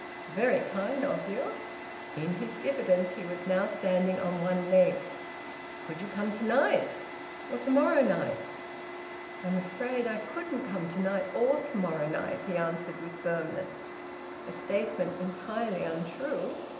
"Very kind of you." In his diffidence he was now standing on one leg. "Could you come to night? ... Or to morrow night?" "I'm afraid I couldn't come to night, or to morrow night," he answered with firmness. A statement entirely untrue!